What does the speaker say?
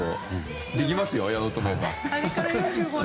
できますよ、やろうと思えば。